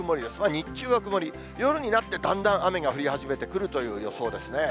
日中は曇り、夜になってだんだん雨が降り始めてくるという予想です。